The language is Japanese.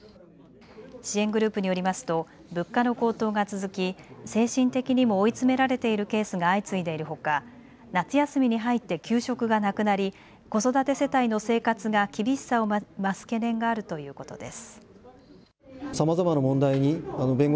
支援グループによりますと物価の高騰が続き精神的にも追い詰められているケースが相次いでいるほか、夏休みに入って給食がなくなり子育て世帯の生活が厳しさを増す懸念があるということです。